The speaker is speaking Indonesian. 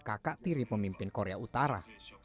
kakak tiri pemimpin korea utara